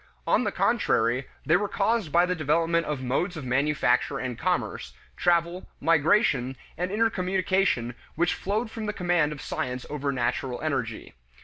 On the contrary, they were caused by the development of modes of manufacture and commerce, travel, migration, and intercommunication which flowed from the command of science over natural energy.